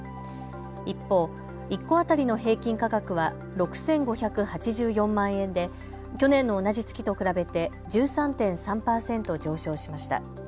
一方、１戸当たりの平均価格は６５８４万円で去年の同じ月と比べて１３．３％上昇しました。